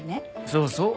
そうそう。